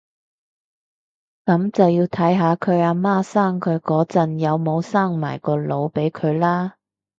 噉就要睇下佢阿媽生佢嗰陣有冇生埋個腦俾佢喇